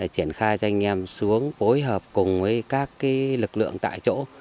triển khai cho anh em xuống phối hợp cùng với các lực lượng tại chỗ